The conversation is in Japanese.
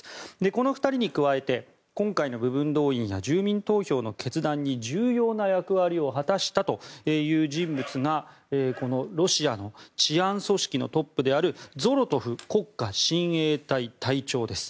この２人に加えて今回の部分動員や住民投票の決断に重要な役割を果たしたという人物がこのロシアの治安組織のトップであるゾロトフ国家親衛隊隊長です。